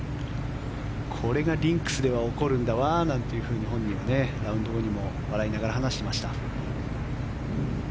これがリンクスでは起きるんだわーなんて本人はラウンド後にも笑いながら話していました。